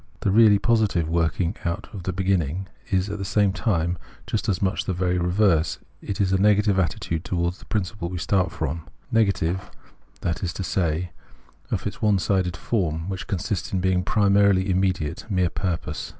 The really positive working out of the beginning is at the same time just as much the very reverse, it is a negative attitude to wards the principle we start from, negative, that is to 22 PJienomenology of Mind say, of its one sided form, which consists in being primarily immediate, a mere purpose.